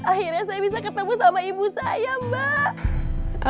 akhirnya saya bisa ketemu sama ibu saya mbak